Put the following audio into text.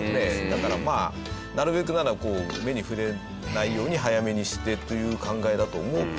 だからなるべくなら目に触れないように早めにしてという考えだと思うけど。